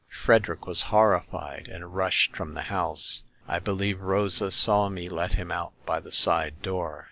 Frederick was horrified, and rushed from the house. I believe Rosa saw me let him out by the side door.